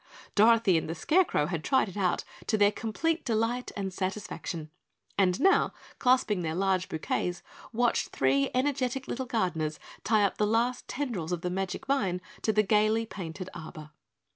Dorothy and the Scarecrow had tried it out to their complete delight and satisfaction, and now clasping their large bouquets, watched three energetic little gardeners tie up the last tendrils of the magic vine to the gaily painted arbor.